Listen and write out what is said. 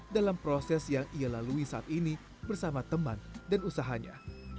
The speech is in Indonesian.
dalam proses yang ia lalui saat ini bersama teman dan usahanya